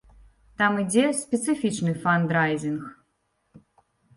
Там ідзе спецыфічны фандрайзінг.